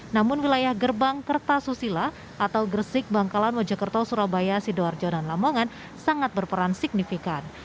namun wilayah gerbang kertasusila atau gresik bangkalan mojokerto surabaya sidoarjo dan lamongan sangat berperan signifikan